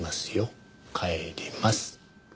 帰ります。